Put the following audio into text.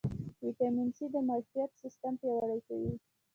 ویټامین سي د معافیت سیستم پیاوړی کوي